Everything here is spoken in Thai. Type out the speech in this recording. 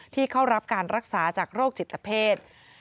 เข้ารับการรักษาจากโรคจิตเพศ